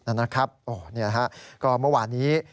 โอ้นี่นะครับก็เมื่อวานี้